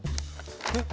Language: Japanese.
えっ？